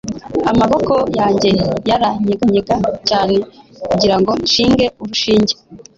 amaboko yanjye yaranyeganyega cyane kugirango nshinge urushinge